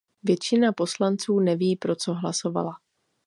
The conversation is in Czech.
Většina poslanců neví, pro co hlasovala.